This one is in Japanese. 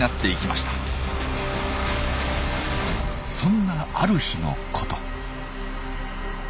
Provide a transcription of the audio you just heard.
そんなある日のこと。